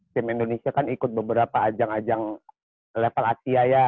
tim indonesia kan ikut beberapa ajang ajang level asia ya